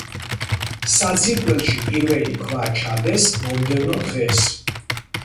საძირკველში პირველი ქვა ჩადეს მომდევნო დღეს.